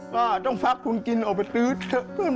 ก็ต้องพักกุญกิณฑ์ออกไปซื้อเยอะเทิม